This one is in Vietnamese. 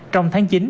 trong tháng chín